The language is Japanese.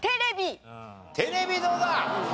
テレビどうだ？